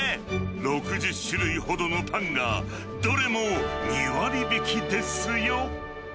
６０種類ほどのパンが、どれも２割引きですよ。